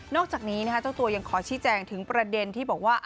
อกจากนี้เจ้าตัวยังขอชี้แจงถึงประเด็นที่บอกว่า